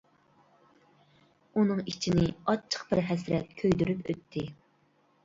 ئۇنىڭ ئىچىنى ئاچچىق بىر ھەسرەت كۆيدۈرۈپ ئۆتتى.